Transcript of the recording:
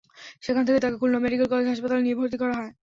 সেখান থেকে তাকে খুলনা মেডিকেল কলেজ হাসপাতালে নিয়ে ভর্তি করা হয়।